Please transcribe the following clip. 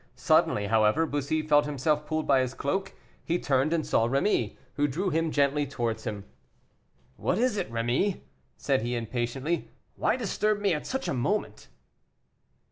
Suddenly, however, Bussy felt himself pulled by his cloak; he turned and saw Rémy, who drew him gently towards him. "What is it, Rémy?" said he impatiently. "Why disturb me at such a moment?"